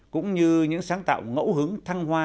cũng như những sáng tạo ngẫu hứng thăng hoa